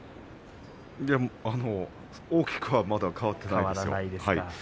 大きくはまだ変わっていないと思います。